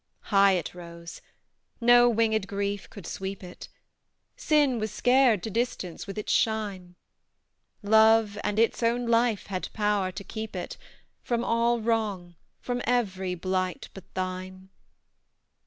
High it rose no winged grief could sweep it; Sin was scared to distance with its shine; Love, and its own life, had power to keep it From all wrong from every blight but thine!